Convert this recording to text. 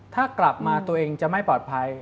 ถ้ากลับมาตัวเองจะไม่ปลอดภัย